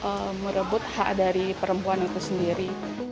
karena itu jadinya merebut hak dari perempuan itu sendiri